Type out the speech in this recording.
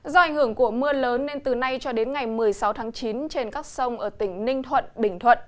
do ảnh hưởng của mưa lớn nên từ nay cho đến ngày một mươi sáu tháng chín trên các sông ở tỉnh ninh thuận bình thuận